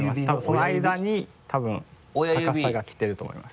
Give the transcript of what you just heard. そのあいだに多分高さがきてると思います。